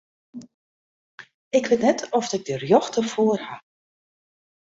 Ik wit net oft ik de rjochte foar haw.